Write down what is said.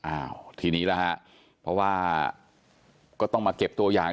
อ้าวทีนี้ล่ะฮะเพราะว่าก็ต้องมาเก็บตัวอย่าง